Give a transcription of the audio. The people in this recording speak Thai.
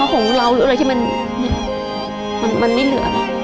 ทุนของเรานิยล์